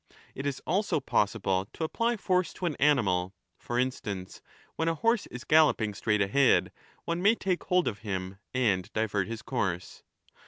It is also possible to apply force to an animal ; for instance, when a horse is galloping straight ahead, one may take hold of him and divert his course.